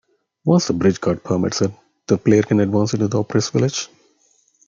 Once the bridge guard permits it, the player can advance into the Oppressed Village.